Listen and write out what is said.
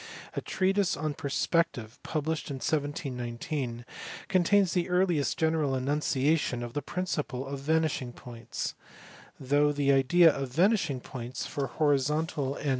A treatise on perspective, published in 1719, contains the earliest general enunciation of the principle of vanishing points ; though the idea of vanishing points for horizontal and 390 COTES.